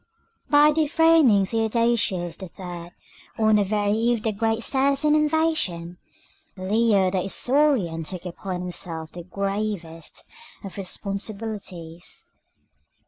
By dethroning Theodosius III. on the very eve of the great Saracen invasion, Leo the Isaurian took upon himself the gravest of responsibilities.